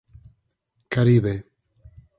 Caribe